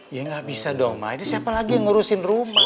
ya nggak bisa dong mah ini siapa lagi yang ngurusin rumah